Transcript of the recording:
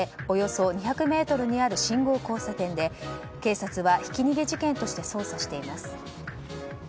およそ２００ｍにある信号交差点で警察はひき逃げ事件として捜査しています。